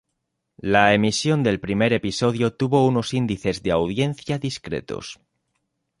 La emisión del primer episodio tuvo unos índices de audiencia discretos.